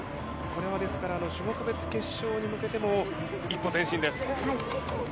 ですから種目別決勝に向けても一歩前進です。